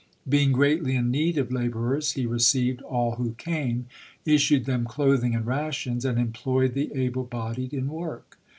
Being gi eatly in need of laborers he received all who came, issued them clothing and rations, and employed the able bodied in work.